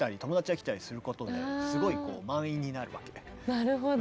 なるほど。